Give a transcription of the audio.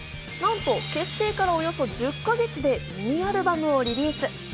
なんと結成からおよそ１０か月でミニアルバムをリリース。